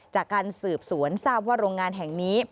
จากการสืบสวนทราบว่าโรงงานแห่งนี้